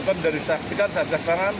mungkin dari saksikan satgas pangan